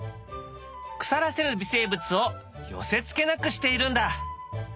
腐らせる微生物を寄せつけなくしているんだ。